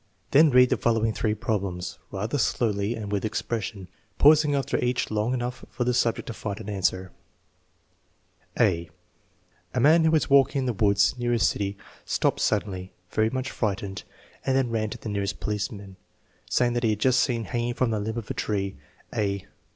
Then read the following three problems, rather slowly and with expression, pausing after each long enough for the subject to find an answer: (a) A man who was walking in the woods near a tity stopped sud denly, very much frightened, and then ran to the nearest police man, saying that he Jtad just seen hanging from the limb of a tree a